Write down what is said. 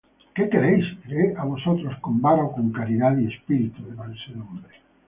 ¿Qué queréis? ¿iré á vosotros con vara, ó con caridad y espíritu de mansedumbre?